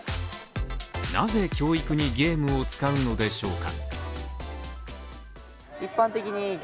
なぜ教育にゲームを使うのでしょうか？